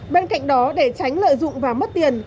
bên cạnh đó để tránh lợi dụng và mất tiền